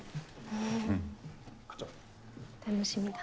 楽しみだ。